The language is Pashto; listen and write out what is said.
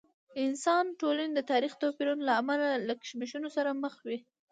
انسا ټولنې د تاریخي توپیرونو له امله له کشمکشونو سره مخ وي.